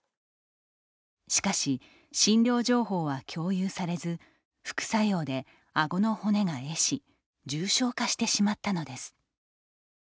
しかし診療情報は共有されず副作用で、あごの骨がえ死重傷化してしまったのです。